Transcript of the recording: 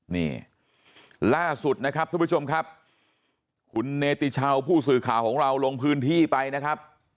นี่ล่าสุดนะครับทุกผู้ชมครับคุณเนติชาวผู้สื่อข่าวของเราลงพื้นที่ไปนะครับ